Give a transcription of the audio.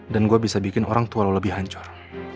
dan gue bisa bikin orang tua lo lebih hancur